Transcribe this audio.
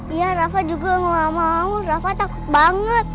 iya rafa juga gak mau rafa takut banget